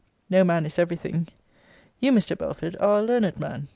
No man is every thing you, Mr. Belford, are a learned man.